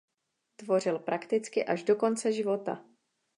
Tvořil prakticky až do konce života.